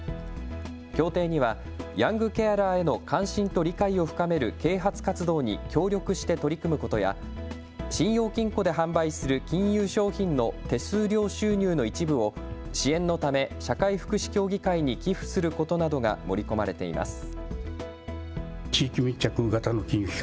協定にはヤングケアラーへの関心と理解を深める啓発活動に協力して取り組むことや信用金庫で販売する金融商品の手数料収入の一部を支援のため社会福祉協議会に寄付することなどが盛り込まれています。